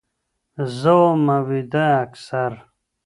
زه ومه ويده اكثر